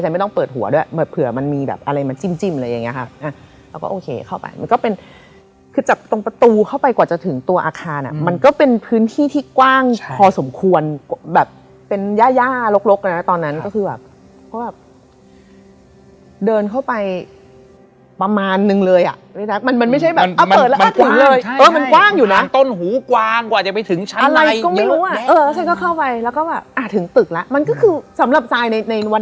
แม่ใจเขาก็แบบโอ้โหแล้วโดนถ่ายผมทรงนั้นน่ะ